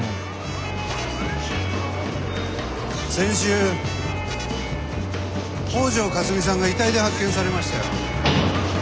先週北條かすみさんが遺体で発見されましたよ。